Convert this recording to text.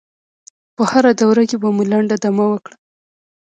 په هره دوره کې به مو لنډه دمه وکړه.